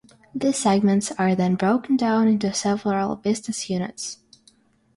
These segments are then broken down into several business units.